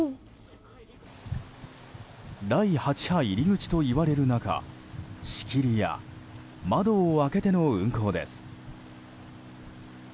第８波入り口といわれる中仕切りや窓を開けての運航です。